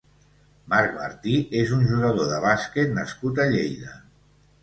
Marc Martí és un jugador de bàsquet nascut a Lleida.